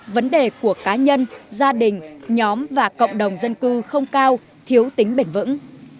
vấn đề của cá nhân gia đình nhóm và cộng đồng dân cư không cao thiếu tính bền vững